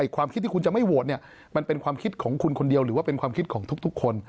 ความคิดที่คุณจะไม่โหวตมันเป็นความคิดของคุณคนเดียวหรือว่าเป็นความคิดของทุกคน